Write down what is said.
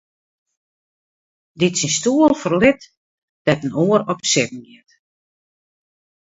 Dy't syn stoel ferlit, dêr't in oar op sitten giet.